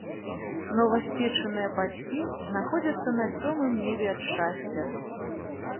Новаспечаныя бацькі знаходзяцца на сёмым небе ад шчасця.